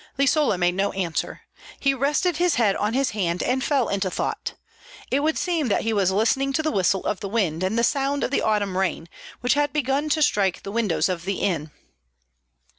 Lisola made no answer. He rested his head on his hand and fell into thought. It would seem that he was listening to the whistle of the wind and the sound of the autumn rain, which had begun to strike the windows of the inn.